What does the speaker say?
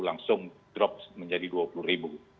langsung drop menjadi dua puluh ribu